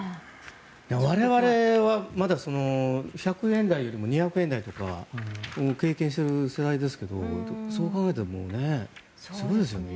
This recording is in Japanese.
我々はまだ１００円台よりも２００円台とかを経験している世代ですけどそう考えるとすごいですよね。